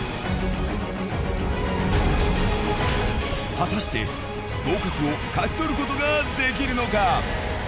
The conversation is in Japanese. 果たして合格を勝ち取ることができるのか？